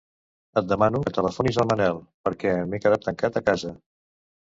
Et demano que telefonis al Manel, perquè m'he quedat tancat a casa.